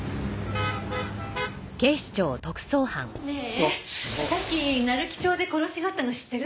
ねえさっき成喜町で殺しがあったの知ってる？